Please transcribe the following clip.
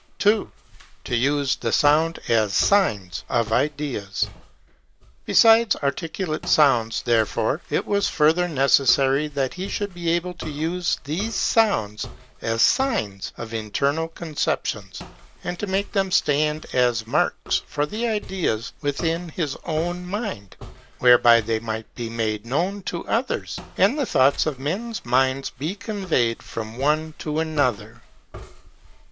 2. To use these sounds as Signs of Ideas. Besides articulate sounds, therefore, it was further necessary that he should be able to use these sounds as signs of internal conceptions; and to make them stand as marks for the ideas within his own mind, whereby they might be made known to others, and the thoughts of men's minds be conveyed from one to another.